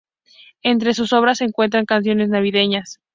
Entre sus obras se encuentras canciones navideñas.